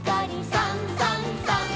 「さんさんさん」